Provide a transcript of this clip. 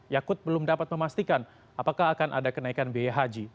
yakut belum dapat memastikan apakah akan ada kenaikan biaya haji